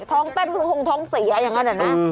ท้องเต้นก็คงท้องเสียอย่างนั้นนะ